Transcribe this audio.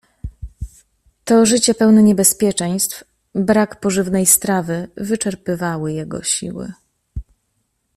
"To życie pełne niebezpieczeństw, brak pożywnej strawy wyczerpywały jego siły."